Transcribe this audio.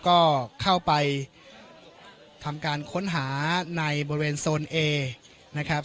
ก็เข้าไปทำการค้นหาในบริเวณโซนเอนะครับ